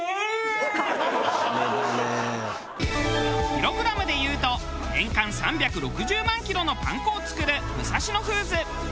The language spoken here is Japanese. キログラムでいうと年間３６０万キロのパン粉を作る武蔵野フーズ。